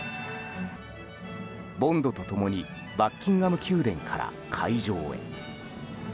ボンドと共にバッキンガム宮殿から会場へ。